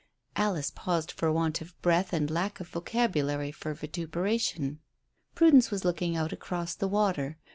Alice paused for want of breath and lack of vocabulary for vituperation. Prudence was looking out across the water.